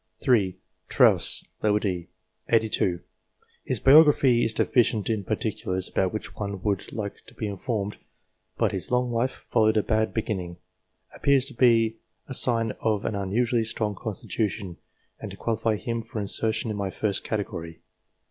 3. Trosse, d. set. 82. His biography is deficient in particulars about which one would like to be informed, but his long life, following a bad beginning, appears to be a sign of an unusually strong constitution, and to qualify him for insertion in my first category.